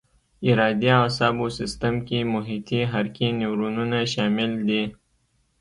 ارادي اعصابو سیستم کې محیطي حرکي نیورونونه شامل دي.